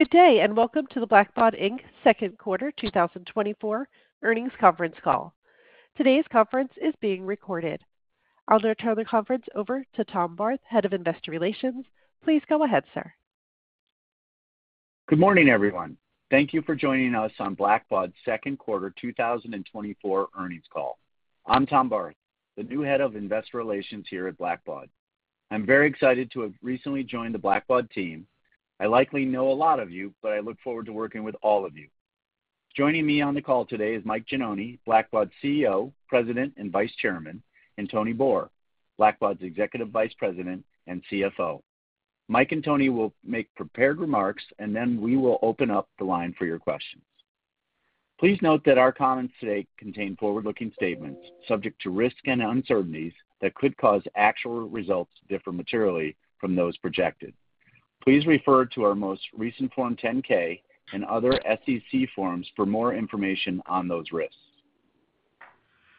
Good day, and welcome to the Blackbaud Inc. Q2 2024 Earnings Conference Call. Today's conference is being recorded. I'll now turn the conference over to Tom Barth, Head of Investor Relations. Please go ahead, sir. Good morning, everyone. Thank you for joining us on Blackbaud's Q2 2024 Earnings Call. I'm Tom Barth, the new Head of Investor Relations here at Blackbaud. I'm very excited to have recently joined the Blackbaud team. I likely know a lot of you, but I look forward to working with all of you. Joining me on the call today is Mike Gianoni, Blackbaud's CEO, President, and Vice Chairman, and Tony Boor, Blackbaud's Executive Vice President and CFO. Mike and Tony will make prepared remarks, and then we will open up the line for your questions. Please note that our comments today contain forward-looking statements subject to risks and uncertainties that could cause actual results to differ materially from those projected. Please refer to our most recent Form 10-K and other SEC forms for more information on those risks.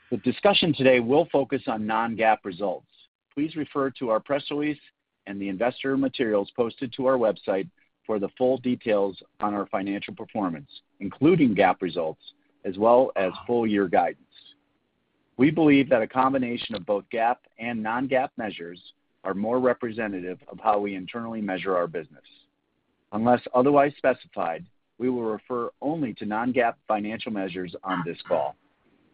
The discussion today will focus on non-GAAP results. Please refer to our press release and the investor materials posted to our website for the full details on our financial performance, including GAAP results, as well as full-year guidance. We believe that a combination of both GAAP and non-GAAP measures are more representative of how we internally measure our business. Unless otherwise specified, we will refer only to non-GAAP financial measures on this call.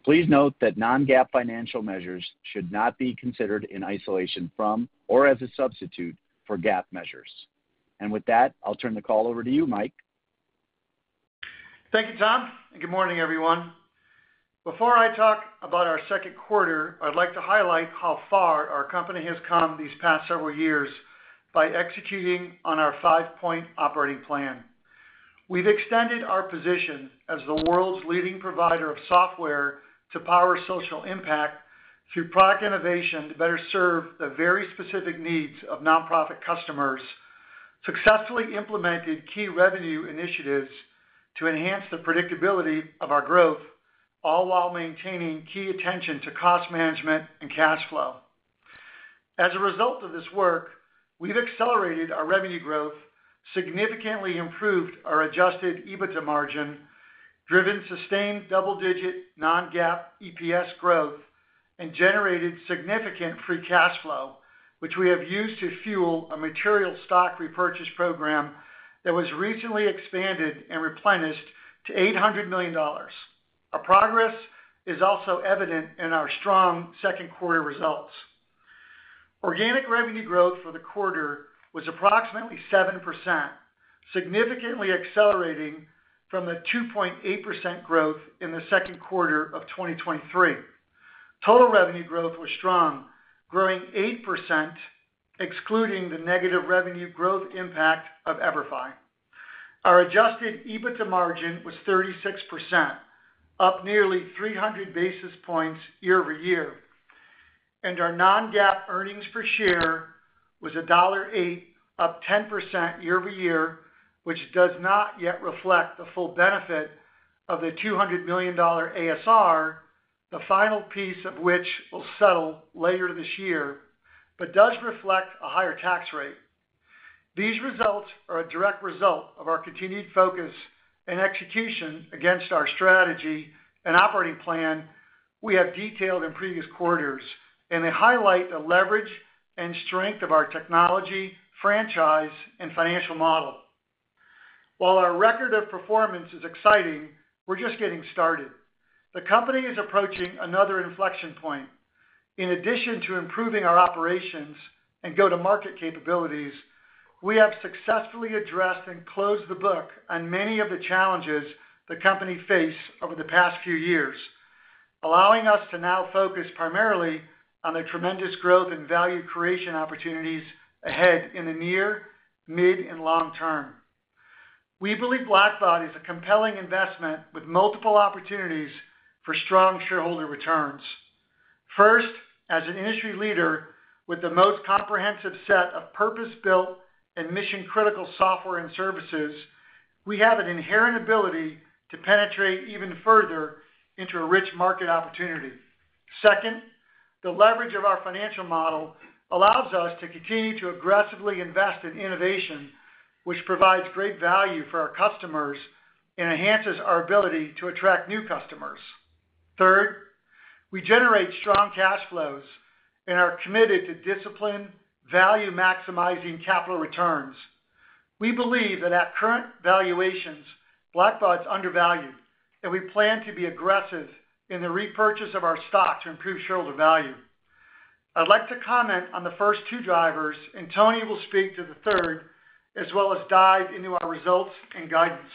Please note that non-GAAP financial measures should not be considered in isolation from or as a substitute for GAAP measures. With that, I'll turn the call over to you, Mike. Thank you, Tom. Good morning, everyone. Before I talk about our Q2, I'd like to highlight how far our company has come these past several years by executing on our five-point operating plan. We've extended our position as the world's leading provider of software to power social impact through product innovation to better serve the very specific needs of nonprofit customers, successfully implemented key revenue initiatives to enhance the predictability of our growth, all while maintaining key attention to cost management and cash flow. As a result of this work, we've accelerated our revenue growth, significantly improved our Adjusted EBITDA margin, driven sustained double-digit non-GAAP EPS growth, and generated significant free cash flow, which we have used to fuel a material stock repurchase program that was recently expanded and replenished to $800 million. Our progress is also evident in our strong Q2 results. Organic revenue growth for the quarter was approximately 7%, significantly accelerating from a 2.8% growth in the Q2 of 2023. Total revenue growth was strong, growing 8%, excluding the negative revenue growth impact of EverFi. Our Adjusted EBITDA margin was 36%, up nearly 300 basis points year-over-year. Our non-GAAP earnings per share was $1.08, up 10% year-over-year, which does not yet reflect the full benefit of the $200 million ASR, the final piece of which will settle later this year, but does reflect a higher tax rate. These results are a direct result of our continued focus and execution against our strategy and operating plan we have detailed in previous quarters, and they highlight the leverage and strength of our technology, franchise, and financial model. While our record of performance is exciting, we're just getting started. The company is approaching another inflection point. In addition to improving our operations and go-to-market capabilities, we have successfully addressed and closed the book on many of the challenges the company faced over the past few years, allowing us to now focus primarily on the tremendous growth and value creation opportunities ahead in the near, mid, and long term. We believe Blackbaud is a compelling investment with multiple opportunities for strong shareholder returns. First, as an industry leader with the most comprehensive set of purpose-built and mission-critical software and services, we have an inherent ability to penetrate even further into a rich market opportunity. Second, the leverage of our financial model allows us to continue to aggressively invest in innovation, which provides great value for our customers and enhances our ability to attract new customers. Third, we generate strong cash flows and are committed to disciplined, value-maximizing capital returns. We believe that at current valuations, Blackbaud is undervalued, and we plan to be aggressive in the repurchase of our stock to improve shareholder value. I'd like to comment on the first two drivers, and Tony will speak to the third, as well as dive into our results and guidance.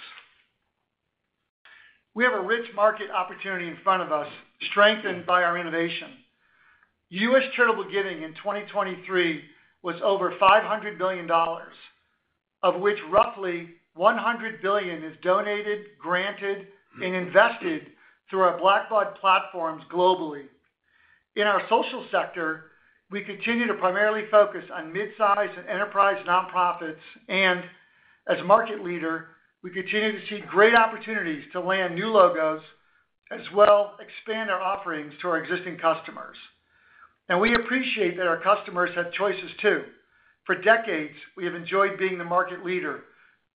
We have a rich market opportunity in front of us, strengthened by our innovation. U.S. charitable giving in 2023 was over $500 billion, of which roughly $100 billion is donated, granted, and invested through our Blackbaud platforms globally. In our social sector, we continue to primarily focus on midsize and enterprise nonprofits, and as a market leader, we continue to see great opportunities to land new logos as well as expand our offerings to our existing customers. We appreciate that our customers have choices, too. For decades, we have enjoyed being the market leader.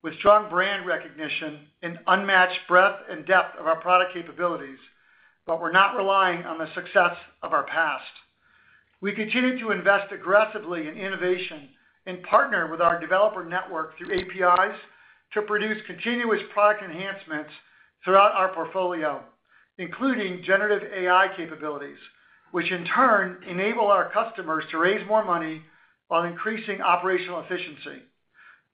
With strong brand recognition and unmatched breadth and depth of our product capabilities, but we're not relying on the success of our past. We continue to invest aggressively in innovation and partner with our developer network through APIs to produce continuous product enhancements throughout our portfolio, including generative AI capabilities, which in turn enable our customers to raise more money while increasing operational efficiency,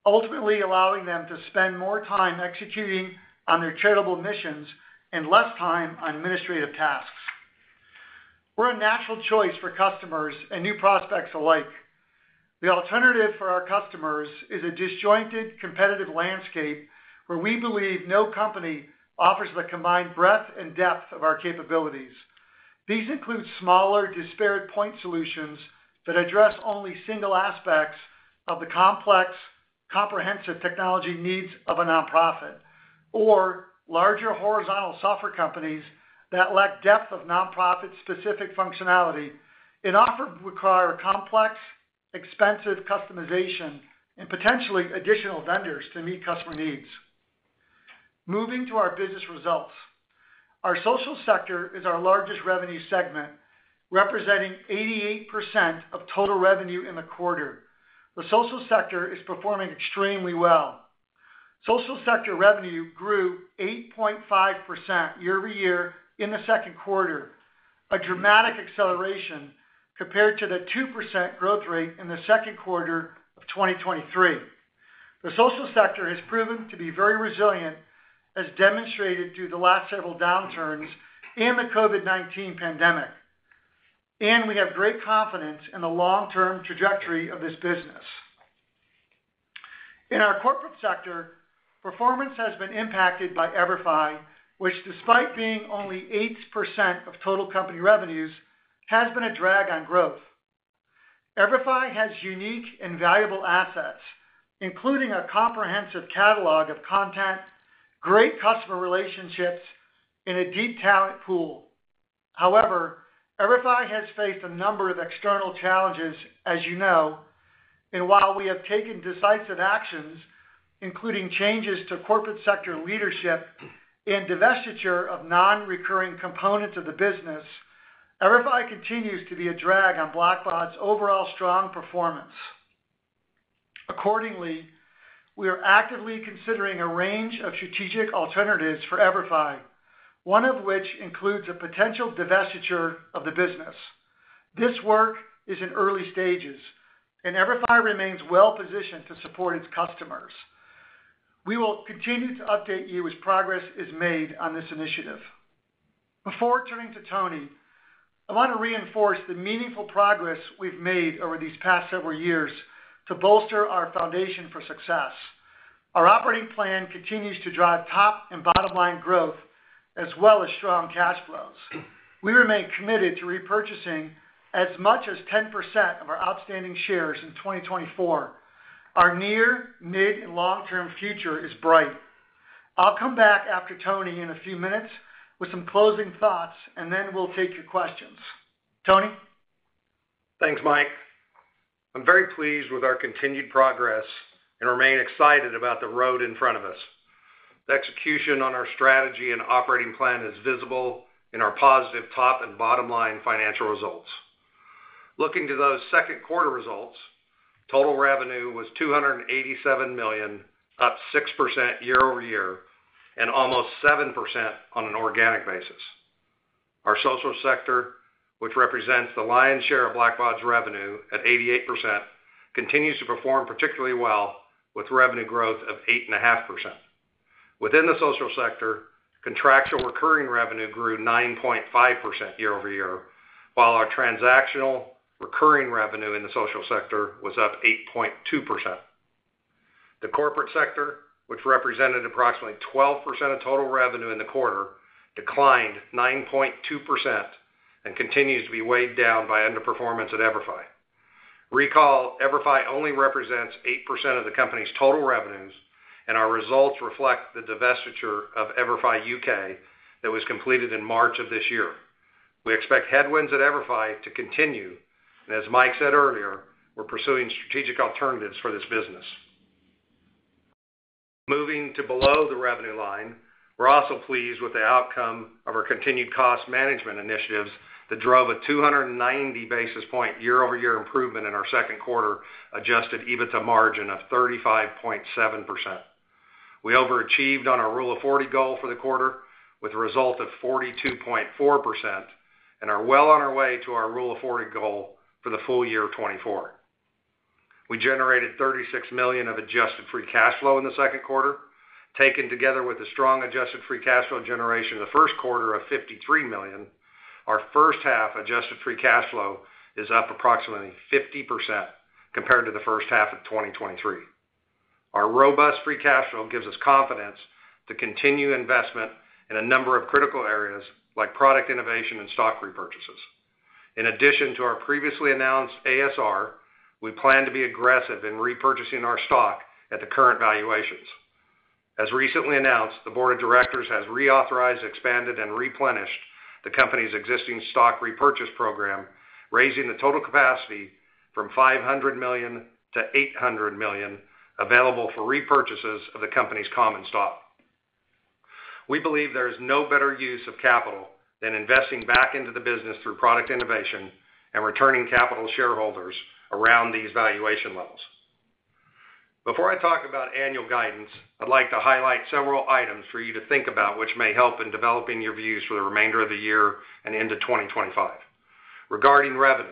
ultimately allowing them to spend more time executing on their charitable missions and less time on administrative tasks. We're a natural choice for customers and new prospects alike. The alternative for our customers is a disjointed, competitive landscape where we believe no company offers the combined breadth and depth of our capabilities. These include smaller, disparate point solutions that address only single aspects of the complex, comprehensive technology needs of a nonprofit, or larger horizontal software companies that lack depth of nonprofit-specific functionality and often require complex, expensive customization and potentially additional vendors to meet customer needs. Moving to our business results, our social sector is our largest revenue segment, representing 88% of total revenue in the quarter. The social sector is performing extremely well. Social sector revenue grew 8.5% year-over-year in the Q2, a dramatic acceleration compared to the 2% growth rate in the Q2 of 2023. The social sector has proven to be very resilient, as demonstrated through the last several downturns and the COVID-19 pandemic. We have great confidence in the long-term trajectory of this business. In our corporate sector, performance has been impacted by EverFi, which, despite being only 8% of total company revenues, has been a drag on growth. EverFi has unique and valuable assets, including a comprehensive catalog of content, great customer relationships, and a deep talent pool. However, EverFi has faced a number of external challenges, as you know. While we have taken decisive actions, including changes to corporate sector leadership and divestiture of non-recurring components of the business, EverFi continues to be a drag on Blackbaud's overall strong performance. Accordingly, we are actively considering a range of strategic alternatives for EverFi, one of which includes a potential divestiture of the business. This work is in early stages, and EverFi remains well-positioned to support its customers. We will continue to update you as progress is made on this initiative. Before turning to Tony, I want to reinforce the meaningful progress we've made over these past several years to bolster our foundation for success. Our operating plan continues to drive top and bottom-line growth, as well as strong cash flows. We remain committed to repurchasing as much as 10% of our outstanding shares in 2024. Our near, mid, and long-term future is bright. I'll come back after Tony in a few minutes with some closing thoughts, and then we'll take your questions. Tony? Thanks, Mike. I'm very pleased with our continued progress and remain excited about the road in front of us. The execution on our strategy and operating plan is visible in our positive top- and bottom-line financial results. Looking to those Q2 results, total revenue was $287 million, up 6% year-over-year and almost 7% on an organic basis. Our social sector, which represents the lion's share of Blackbaud's revenue at 88%, continues to perform particularly well, with revenue growth of 8.5%. Within the social sector, contractual recurring revenue grew 9.5% year-over-year, while our transactional recurring revenue in the social sector was up 8.2%. The corporate sector, which represented approximately 12% of total revenue in the quarter, declined 9.2% and continues to be weighed down by underperformance at EverFi. Recall, EverFi only represents 8% of the company's total revenues, and our results reflect the divestiture of EverFi UK that was completed in March of this year. We expect headwinds at EverFi to continue, and as Mike said earlier, we're pursuing strategic alternatives for this business. Moving to below the revenue line, we're also pleased with the outcome of our continued cost management initiatives that drove a 290 basis point year-over-year improvement in our Q2 Adjusted EBITDA margin of 35.7%. We overachieved on our Rule of 40 goal for the quarter, with a result of 42.4%, and are well on our way to our Rule of 40 goal for the full year 2024. We generated $36 million of adjusted Free Cash Flow in the Q2. Taken together with the strong adjusted free cash flow generation in the Q1 of $53 million, our first-half adjusted free cash flow is up approximately 50% compared to the first half of 2023. Our robust free cash flow gives us confidence to continue investment in a number of critical areas like product innovation and stock repurchases. In addition to our previously announced ASR, we plan to be aggressive in repurchasing our stock at the current valuations. As recently announced, the board of directors has reauthorized, expanded, and replenished the company's existing stock repurchase program, raising the total capacity from $500-800 million available for repurchases of the company's common stock. We believe there is no better use of capital than investing back into the business through product innovation and returning capital shareholders around these valuation levels. Before I talk about annual guidance, I'd like to highlight several items for you to think about, which may help in developing your views for the remainder of the year and into 2025. Regarding revenue,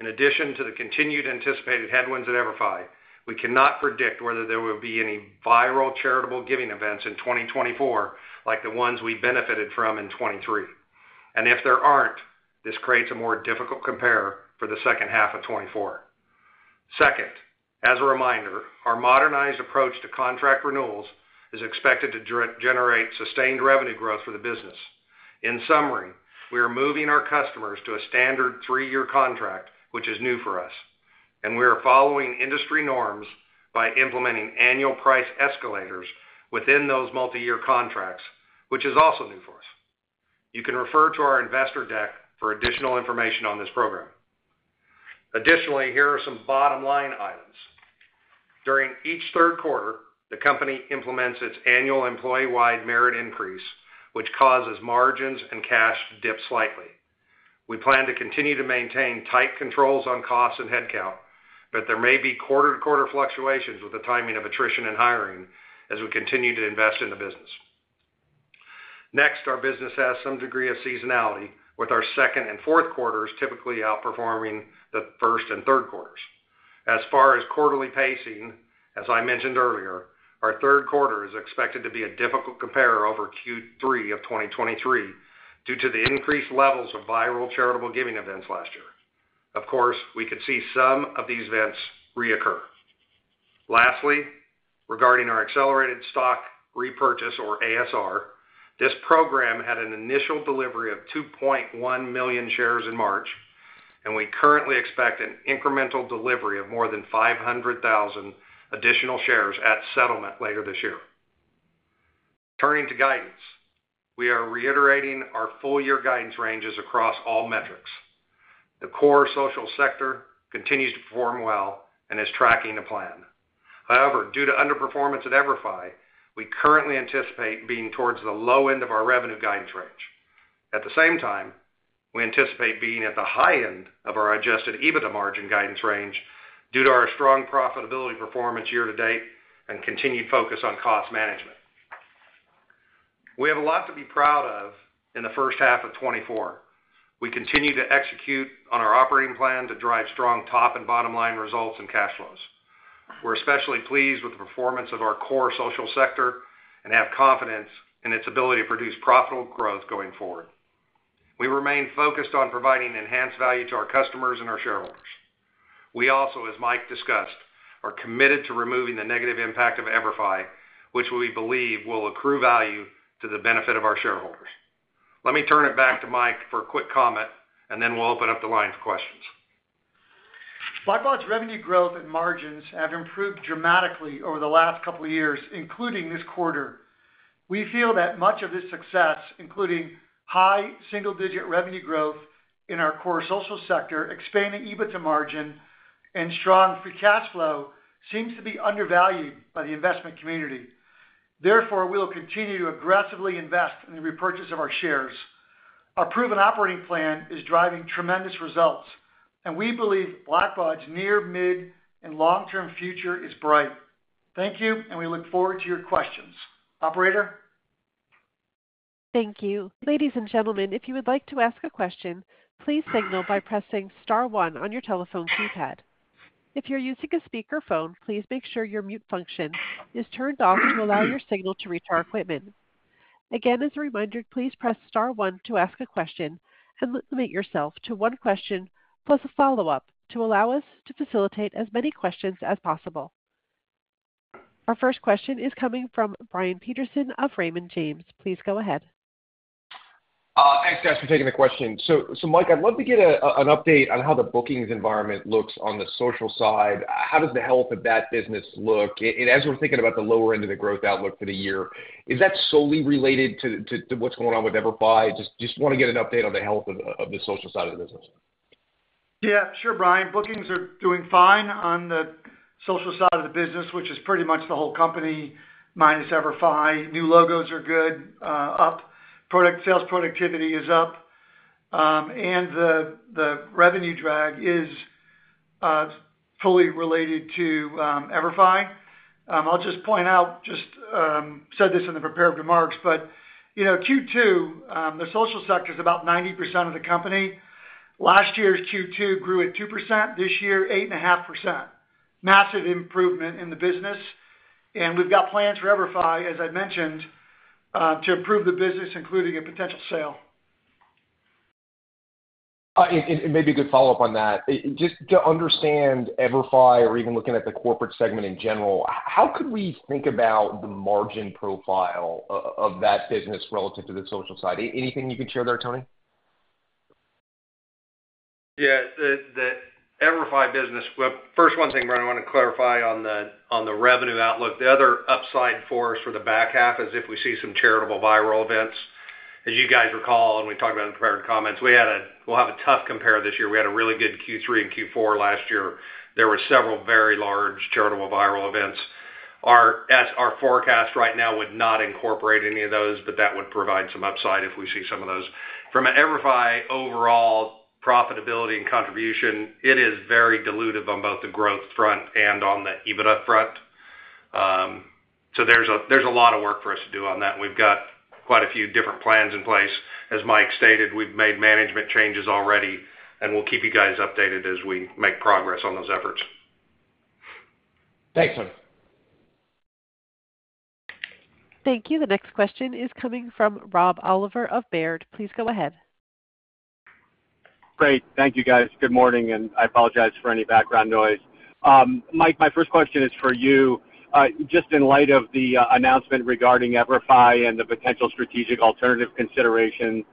in addition to the continued anticipated headwinds at EverFi, we cannot predict whether there will be any viral charitable giving events in 2024 like the ones we benefited from in 2023. If there aren't, this creates a more difficult compare for the second half of 2024. Second, as a reminder, our modernized approach to contract renewals is expected to generate sustained revenue growth for the business. In summary, we are moving our customers to a standard three-year contract, which is new for us. We are following industry norms by implementing annual price escalators within those multi-year contracts, which is also new for us. You can refer to our investor deck for additional information on this program. Additionally, here are some bottom-line items. During each Q3, the company implements its annual employee-wide merit increase, which causes margins and cash to dip slightly. We plan to continue to maintain tight controls on costs and headcount, but there may be quarter-to-quarter fluctuations with the timing of attrition and hiring as we continue to invest in the business. Next, our business has some degree of seasonality, with our second and Q4s typically outperforming the first and Q3s. As far as quarterly pacing, as I mentioned earlier, our Q3 is expected to be a difficult compare over Q3 of 2023 due to the increased levels of viral charitable giving events last year. Of course, we could see some of these events reoccur. Lastly, regarding our accelerated stock repurchase, or ASR, this program had an initial delivery of 2.1 million shares in March, and we currently expect an incremental delivery of more than 500,000 additional shares at settlement later this year. Turning to guidance, we are reiterating our full-year guidance ranges across all metrics. The core social sector continues to perform well and is tracking the plan. However, due to underperformance at EverFi, we currently anticipate being towards the low end of our revenue guidance range. At the same time, we anticipate being at the high end of our adjusted EBITDA margin guidance range due to our strong profitability performance year-to-date and continued focus on cost management. We have a lot to be proud of in the first half of 2024. We continue to execute on our operating plan to drive strong top and bottom-line results and cash flows. We're especially pleased with the performance of our core social sector and have confidence in its ability to produce profitable growth going forward. We remain focused on providing enhanced value to our customers and our shareholders. We also, as Mike discussed, are committed to removing the negative impact of EverFi, which we believe will accrue value to the benefit of our shareholders. Let me turn it back to Mike for a quick comment, and then we'll open up the line for questions. Blackbaud's revenue growth and margins have improved dramatically over the last couple of years, including this quarter. We feel that much of this success, including high single-digit revenue growth in our core social sector, expanding EBITDA margin, and strong free cash flow, seems to be undervalued by the investment community. Therefore, we will continue to aggressively invest in the repurchase of our shares. Our proven operating plan is driving tremendous results, and we believe Blackbaud's near, mid, and long-term future is bright. Thank you, and we look forward to your questions. Operator? Thank you. Ladies and gentlemen, if you would like to ask a question, please signal by pressing star one on your telephone keypad. If you're using a speakerphone, please make sure your mute function is turned off to allow your signal to reach our equipment. Again, as a reminder, please press star one to ask a question and limit yourself to one question plus a follow-up to allow us to facilitate as many questions as possible. Our first question is coming from Brian Peterson of Raymond James. Please go ahead. Thanks, guys, for taking the question. So, Mike, I'd love to get an update on how the bookings environment looks on the social side. How does the health of that business look? And as we're thinking about the lower end of the growth outlook for the year, is that solely related to what's going on with EverFi? Just want to get an update on the health of the social side of the business. Yeah, sure, Brian. Bookings are doing fine on the social side of the business, which is pretty much the whole company minus EverFi. New logos are good, up. Sales productivity is up. And the revenue drag is fully related to EverFi. I'll just point out, just said this in the prepared remarks, but Q2, the social sector is about 90% of the company. Last year's Q2 grew at 2% this year, 8.5%. Massive improvement in the business. And we've got plans for EverFi, as I mentioned, to improve the business, including a potential sale. It may be a good follow-up on that. Just to understand EverFi or even looking at the corporate segment in general, how could we think about the margin profile of that business relative to the social side? Anything you can share there, Tony? Yeah. The EverFi business, first one thing I want to clarify on the revenue outlook the other upside for us for the back half is if we see some charitable viral events. As you guys recall, and we talked about in the prepared comments, we'll have a tough compare this year we had a really good Q3 and Q4 last year. There were several very large charitable viral events. Our forecast right now would not incorporate any of those, but that would provide some upside if we see some of those. From EverFi overall profitability and contribution, it is very dilutive on both the growth front and on the EBITDA front. So there's a lot of work for us to do on that we've got quite a few different plans in place. As Mike stated, we've made management changes already, and we'll keep you guys updated as we make progress on those efforts. Thanks, Tony. Thank you. The next question is coming from Rob Oliver of Baird. Please go ahead. Great. Thank you, guys. Good morning, and I apologize for any background noise. Mike, my first question is for you. Just in light of the announcement regarding EverFi and the potential strategic alternative consideration,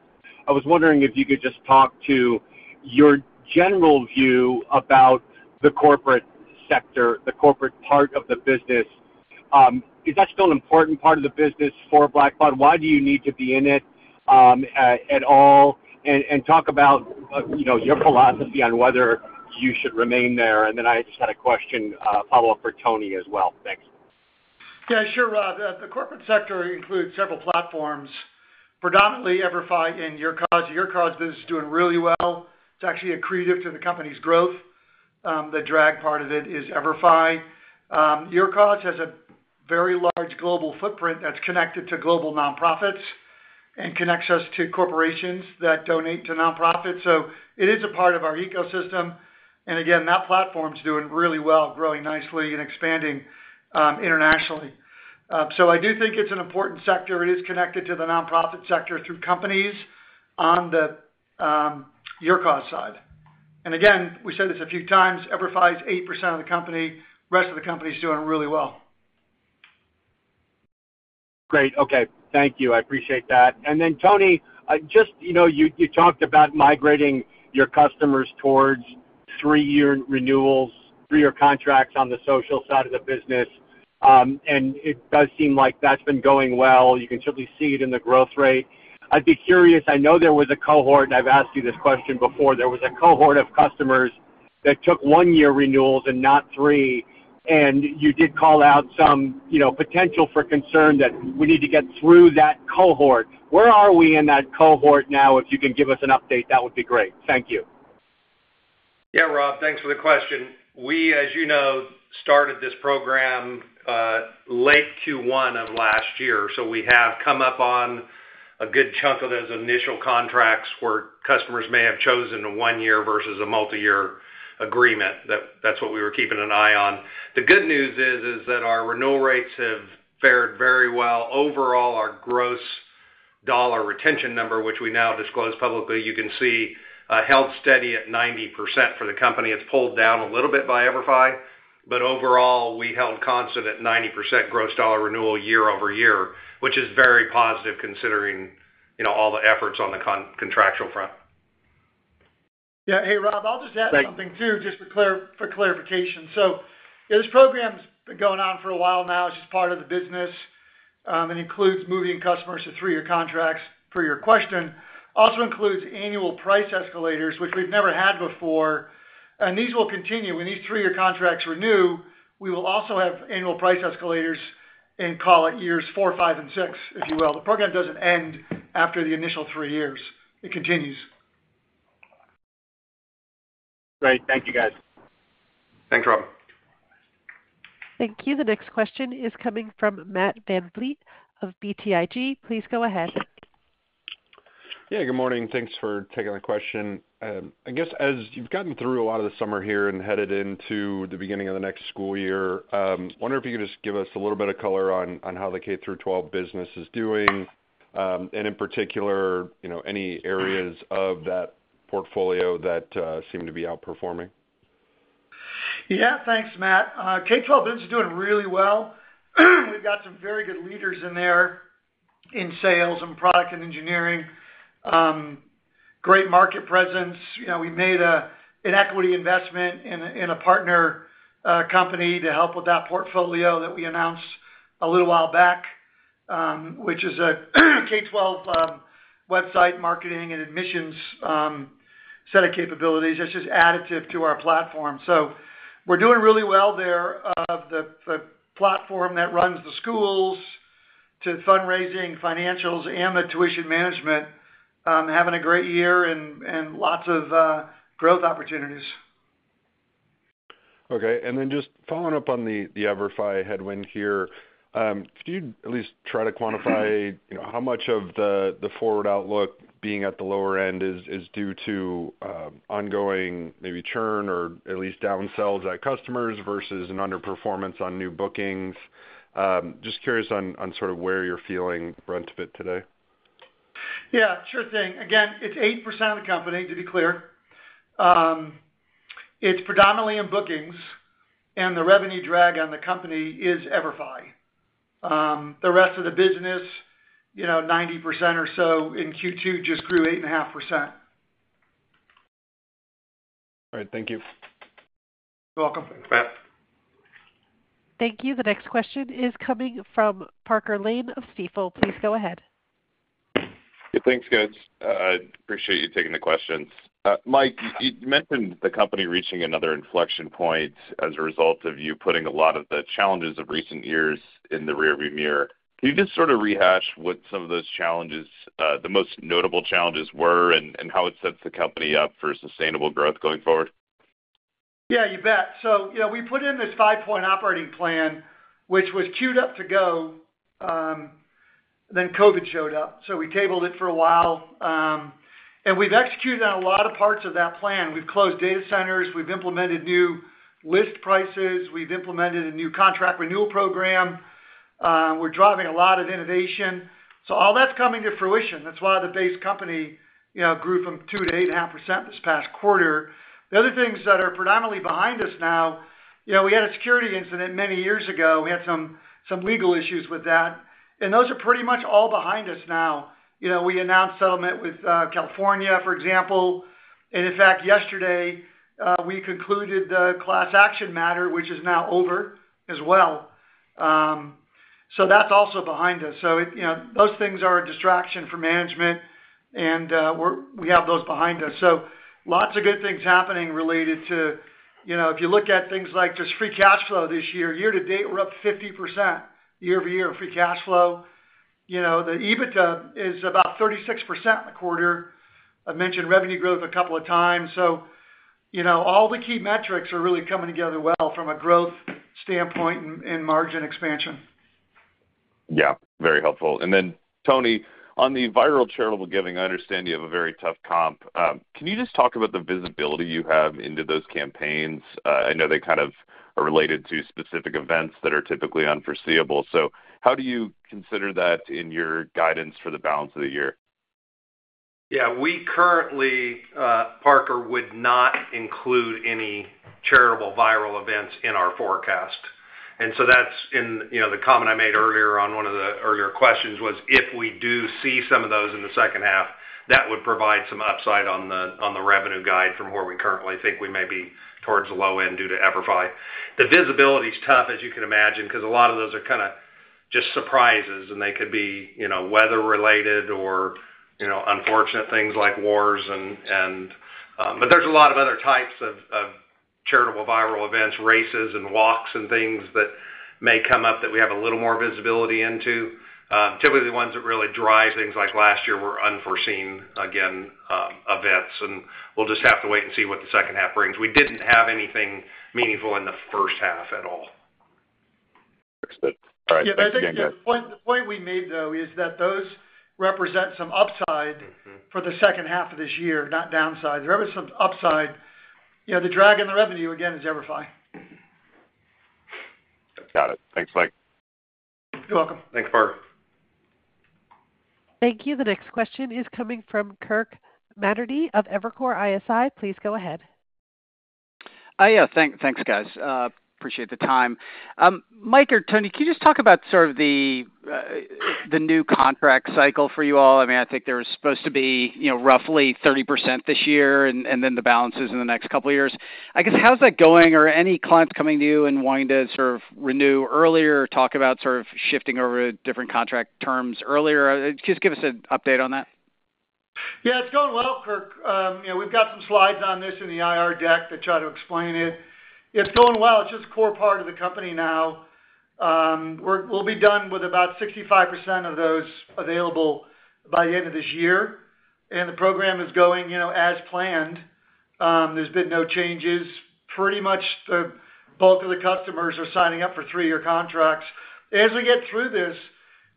I was wondering if you could just talk to your general view about the corporate sector, the corporate part of the business. Is that still an important part of the business for Blackbaud? Why do you need to be in it at all? And talk about your philosophy on whether you should remain there. And then I just had a question follow-up for Tony as well. Thanks. Yeah, sure, Rob. The corporate sector includes several platforms, predominantly EverFi and YourCause. YourCause business is doing really well. It's actually a creative to the company's growth. The drag part of it is EverFi. YourCause has a very large global footprint that's connected to global nonprofits and connects us to corporations that donate to nonprofits so, it is a part of our ecosystem. And again, that platform's doing really well, growing nicely and expanding internationally. So I do think it's an important sector it is connected to the nonprofit sector through companies on the YourCause side. And again, we said this a few times, EverFi is 8% of the company. The rest of the company's doing really well. Great. Okay. Thank you. I appreciate that. And then, Tony, just you talked about migrating your customers towards three-year renewals, three-year contracts on the social side of the business. And it does seem like that's been going well, you can certainly see it in the growth rate. I'd be curious i know there was a cohort, and I've asked you this question before there was a cohort of customers that took one-year renewals and not three. And you did call out some potential for concern that we need to get through that cohort. Where are we in that cohort now? If you can give us an update, that would be great. Thank you. Yeah, Rob, thanks for the question. We, as you know, started this program late Q1 of last year. So we have come up on a good chunk of those initial contracts where customers may have chosen a one-year versus a multi-year agreement that's what we were keeping an eye on. The good news is that our renewal rates have fared very well overall, our gross dollar retention number, which we now disclose publicly, you can see, held steady at 90% for the company it's pulled down a little bit by EverFi, but overall, we held constant at 90% gross dollar renewal year-over-year, which is very positive considering all the efforts on the contractual front. Yeah. Hey, Rob, I'll just add something too, just for clarification. So, this program's been going on for a while now. It's just part of the business. It includes moving customers to three-year contracts. For your question, it also includes annual price escalators, which we've never had before. And these will continue when these three-year contracts renew, we will also have annual price escalators in call it years four, five, and six, if you will. The program doesn't end after the initial three years. It continues. Great. Thank you, guys. Thanks, Rob. Thank you. The next question is coming from Matt Van Vliet of BTIG. Please go ahead. Yeah, good morning. Thanks for taking the question. I guess as you've gotten through a lot of the summer here and headed into the beginning of the next school year, I wonder if you could just give us a little bit of color on how the K-12 business is doing, and in particular, any areas of that portfolio that seem to be outperforming. Yeah, thanks, Matt. K-12 business is doing really well. We've got some very good leaders in there in sales and product and engineering. Great market presence we made an equity investment in a partner company to help with that portfolio that we announced a little while back, which is a K-12 website marketing and admissions set of capabilities that's just additive to our platform. So, we're doing really well there, the platform that runs the schools to fundraising, financials, and the tuition management. Having a great year and lots of growth opportunities. Okay. And then just following up on the EverFi headwind here, could you at least try to quantify how much of the forward outlook being at the lower end is due to ongoing maybe churn or at least downsells at customers versus an underperformance on new bookings? Just curious on sort of where you're feeling the brunt of it today. Yeah, sure thing. Again, it's 8% of the company, to be clear. It's predominantly in bookings, and the revenue drag on the company is EverFi. The rest of the business, 90% or so in Q2 just grew 8.5%. All right. Thank you. You're welcome. Thanks, Matt. Thank you. The next question is coming from Parker Lane of Stifel. Please go ahead. Thanks, guys. I appreciate you taking the questions. Mike, you mentioned the company reaching another inflection point as a result of you putting a lot of the challenges of recent years in the rearview mirror. Can you just sort of rehash what some of those challenges, the most notable challenges were, and how it sets the company up for sustainable growth going forward? Yeah, you bet. So, we put in this 5-point operating plan, which was queued up to go. Then COVID showed up. So we tabled it for a while. And we've executed on a lot of parts of that plan we've closed data centers, we've implemented new list prices, we've implemented a new contract renewal program. We're driving a lot of innovation. So, all that's coming to fruition that's why the base company grew from 2%-8.5% this past quarter. The other things that are predominantly behind us now, we had a security incident many years ago we had some legal issues with that. And those are pretty much all behind us now. We announced settlement with California, for example. And in fact, yesterday, we concluded the class action matter, which is now over as well. So that's also behind us. Those things are a distraction for management, and we have those behind us. Lots of good things happening related to if you look at things like just free cash flow this year, year-to-date, we're up 50% year-over-year in free cash flow. The EBITDA is about 36% in the quarter. I've mentioned revenue growth a couple of times. All the key metrics are really coming together well from a growth standpoint and margin expansion. Yeah, very helpful. And then, Tony, on the viral charitable giving, I understand you have a very tough comp. Can you just talk about the visibility you have into those campaigns? I know they kind of are related to specific events that are typically unforeseeable. So, how do you consider that in your guidance for the balance of the year? Yeah. Parker would not include any charitable viral events in our forecast. And so that's in the comment I made earlier on one of the earlier questions was if we do see some of those in the second half, that would provide some upside on the revenue guide from where we currently think we may be towards the low end due to EverFi. The visibility is tough, as you can imagine, because a lot of those are kind of just surprises, and they could be weather-related or unfortunate things like wars. But there's a lot of other types of charitable viral events, races and walks and things that may come up that we have a little more visibility into. Typically, the ones that really drive things like last year were unforeseen, again, events and, we'll just have to wait and see what the second half brings we didn't have anything meaningful in the first half at all. Excellent. All right. Thank you, guys. Yeah, the point we made, though, is that those represent some upside for the second half of this year, not downside there is some upside. The drag on the revenue, again, is EverFi. Got it. Thanks, Mike. You're welcome. Thanks, Park. Thank you. The next question is coming from Kirk Materne of Evercore ISI. Please go ahead. Yeah, thanks, guys. Appreciate the time. Mike or Tony, can you just talk about sort of the new contract cycle for you all? I mean, I think there was supposed to be roughly 30% this year and then the balances in the next couple of years. I guess, how's that going? Are any clients coming to you and wanting to sort of renew earlier or talk about sort of shifting over to different contract terms earlier? Just give us an update on that. Yeah, it's going well, Kirk. We've got some slides on this in the IR deck that try to explain it. It's going well it's just a core part of the company now. We'll be done with about 65% of those available by the end of this year. The program is going as planned. There's been no changes. Pretty much the bulk of the customers are signing up for three-year contracts. As we get through this,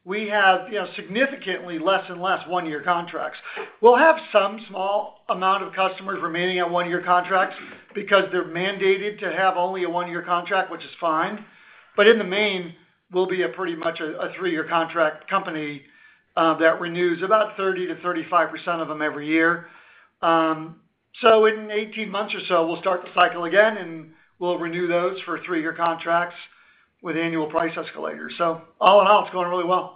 we have significantly less and less one-year contracts. We'll have some small amount of customers remaining on one-year contracts because they're mandated to have only a one-year contract, which is fine. But in the main, we'll be pretty much a three-year contract company that renews about 30%-35% of them every year. So, in 18 months or so, we'll start the cycle again, and we'll renew those for 3-year contracts with annual price escalators. So, all in all, it's going really well.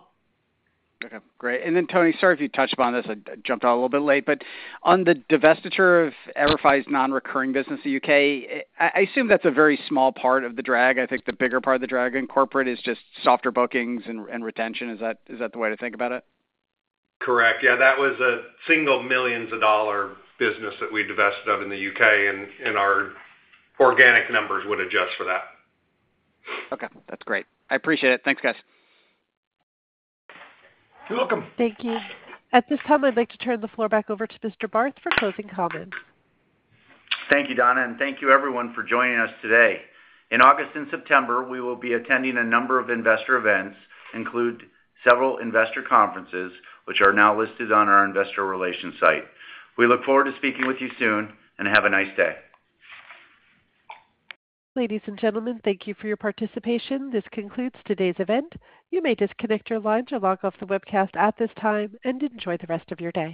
Okay. Great. And then, Tony, sorry if you touched upon this. I jumped on a little bit late. But, on the divestiture of EverFi's non-recurring business in the U.K., I assume that's a very small part of the drag i think the bigger part of the drag in corporate is just softer bookings and retention. Is that the way to think about it? Correct. Yeah, that was a $1 million business that we divested of in the U.K., and our organic numbers would adjust for that. Okay. That's great. I appreciate it. Thanks, guys. You're welcome. Thank you. At this time, I'd like to turn the floor back over to Mr. Barth for closing comments. Thank you, Donna, and thank you, everyone, for joining us today. In August and September, we will be attending a number of investor events, include several investor conferences, which are now listed on our investor relations site. We look forward to speaking with you soon, and have a nice day. Ladies and gentlemen, thank you for your participation. This concludes today's event. You may disconnect your lines or log off the webcast at this time and enjoy the rest of your day.